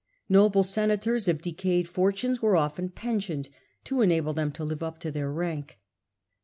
Noble senators of decayed fortunes were often pensioned, to enable them to live up to their rank.